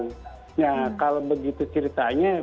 nah kalau begitu ceritanya